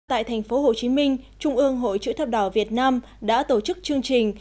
tại thành phố hồ chí minh trung ương hội chữ thập đỏ việt nam đã tổ chức chương trình